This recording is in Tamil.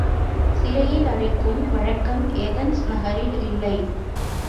சிறையில் அடைக்கும் வழக்கம் ஏதென்ஸ் நகரில் இல்லை.